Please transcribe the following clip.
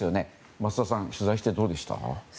増田さん、取材してどうでした？